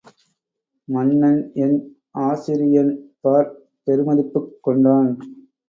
மன்னன் என் ஆசிரியன்பாற் பெருமதிப்புக் கொண்டான்.